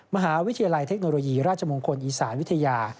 มหาวิทยาลัยเทคโนโลยีราชมงคลอีสานวิทยา